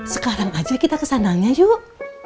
sekarang aja kita kesananya yuk